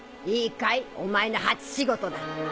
いいかいお前の初仕事だ。